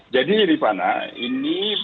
jadi ripana ini